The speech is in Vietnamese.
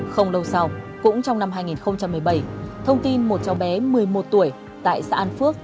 không lâu sau cũng trong năm hai nghìn một mươi bảy thông tin một cháu bé một mươi một tuổi tại xã an phước